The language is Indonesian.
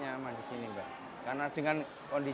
mereka harus mempunyai kondisi yang membutuhkan